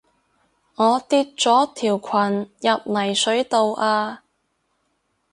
我跌咗條裙入泥水度啊